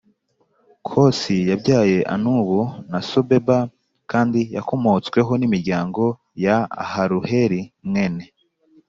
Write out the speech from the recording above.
Kosi yabyaye Anubu na Sobeba kandi yakomotsweho n imiryango ya Aharuheli mwene